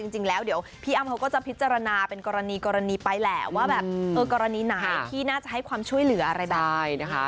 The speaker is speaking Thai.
จริงแล้วเดี๋ยวพี่อ้ำเขาก็จะพิจารณาเป็นกรณีไปแหละว่าแบบกรณีไหนที่น่าจะให้ความช่วยเหลืออะไรแบบนี้นะคะ